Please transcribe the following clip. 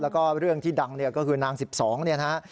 แล้วก็เรื่องที่ดังก็คือนาง๑๒นะฮะ